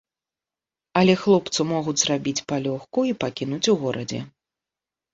Але хлопцу могуць зрабіць палёгку і пакінуць у горадзе.